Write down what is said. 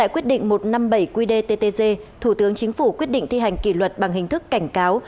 quyết định một trăm năm mươi bảy qdttg thủ tướng chính phủ quyết định thi hành kỷ luật bằng hình thức cảnh cáo